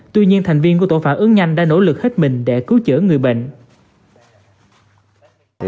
tuy nhiên thành viên của tổ phản ứng nhanh đã nỗ lực hết mình để cứu chữa người bệnh